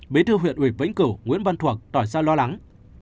bí thư huyện ủy vĩnh cửu nguyễn văn thuộc tỏ ra lo lắng